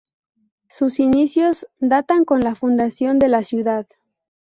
Sus inicios datan con la fundación de la ciudad.